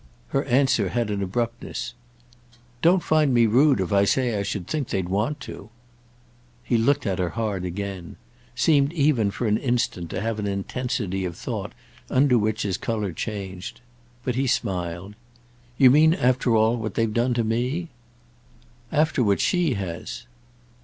Her answer had an abruptness. "Don't find me rude if I say I should think they'd want to!" He looked at her hard again—seemed even for an instant to have an intensity of thought under which his colour changed. But he smiled. "You mean after what they've done to me?" "After what she has."